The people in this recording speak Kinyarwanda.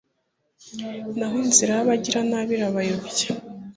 naho inzira y'abagiranabi irabayobya